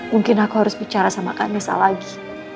mungkin aku harus bicara sama kanesa lagi